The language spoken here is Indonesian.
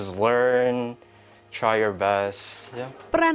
pelajari coba yang terbaik